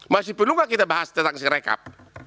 masih perlu nggak kita bahas tentang sirekap